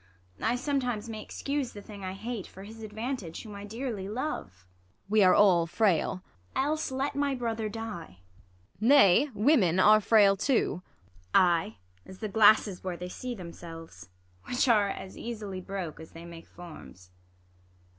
I sometimes may excuse the thing I hate, For his advantage whom I dearly love. Ang. We are all frail. IsA. Else let my brother die. Ang. Nay, women are frail too. IsA. Ay, as the glasses where they see them selves. Which ai'e as easily broke, as they make forms.